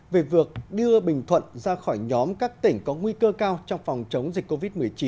về vượt đưa bình thuận ra khỏi nhóm các tỉnh có nguy cơ cao trong phòng chống dịch covid một mươi chín